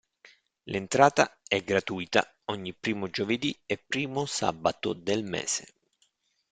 L'entrata è gratuita ogni primo giovedì e primo sabato del mese.